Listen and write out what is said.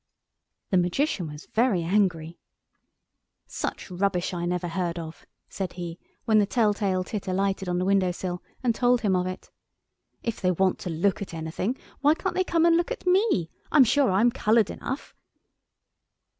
The Magician was very angry. "Such rubbish I never heard of," said he when the tell tale tit alighted on the window sill and told him of it. "If they want to look at anything, why can't they come and look at me? I'm sure I'm coloured enough!"